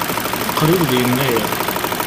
Qrib d Yennayer.